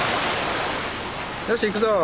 よし行くぞ。